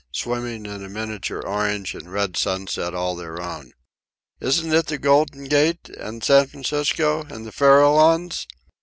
—swimming in a miniature orange and red sunset all their own. "Isn't it the Golden Gate, and San Francisco, and the Farallones?"